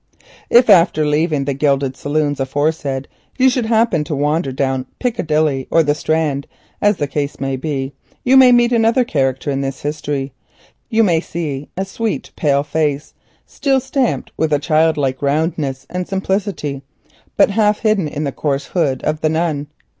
If after leaving the gilded saloons aforesaid you should happen to wander through the London streets, you may meet another character in this history. You may see a sweet pale face, still stamped with a child like roundness and simplicity, but half hidden in the coarse hood of the nun.